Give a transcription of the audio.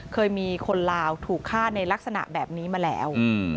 เคยมีคนลาวถูกฆ่าในลักษณะแบบนี้มาแล้ว